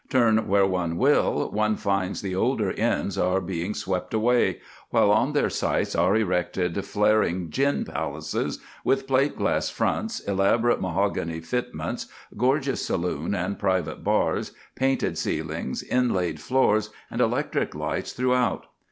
Turn where one will, one finds the older inns are being swept away, while on their sites are erected flaring gin palaces, with plate glass fronts, elaborate mahogany fitments, gorgeous saloon and private bars, painted ceilings, inlaid floors, and electric light throughout.